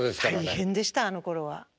大変でしたあのころは。